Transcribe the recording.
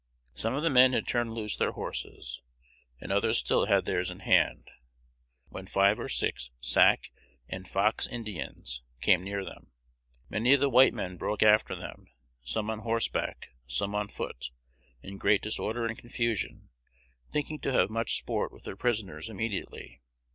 Some of the men had turned loose their horses, and others still had theirs in hand, when five or six Sac and Fox Indians came near them. Many of the white men broke after them, some on horseback, some on foot, in great disorder and confusion, thinking to have much sport with their prisoners immediately.